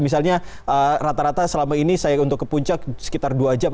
misalnya rata rata selama ini saya untuk ke puncak sekitar dua jam